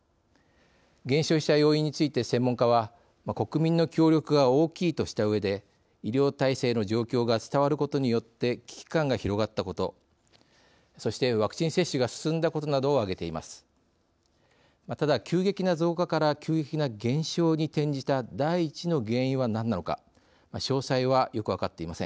減少した要因について専門家は国民の協力が大きいとしたうえで医療体制の状況が伝わることによって危機感が広がったことそして、ワクチン接種が進んだことなどを挙げています。